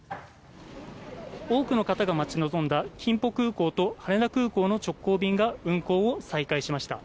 多くの方が待ち望んだ金浦空港と羽田空港の直行便が運航を再開しました。